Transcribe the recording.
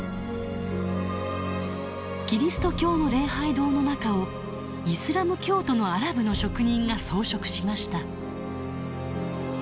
キリスト教の礼拝堂の中をイスラム教徒のアラブの職人が装飾しました。